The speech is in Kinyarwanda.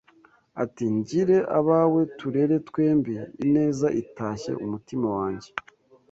Ati “ngire abawe turere twembi Ineza itashye umutima wanjye